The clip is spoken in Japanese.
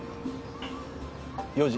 ４時。